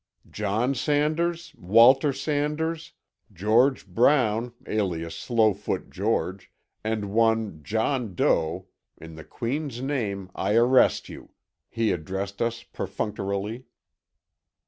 "John Sanders, Walter Sanders, George Brown alias Slowfoot George, and one John Doe, in the Queen's name I arrest you," he addressed us perfunctorily.